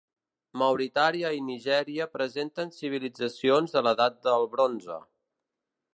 Mauritània i Nigèria presenten civilitzacions de l'edat del bronze.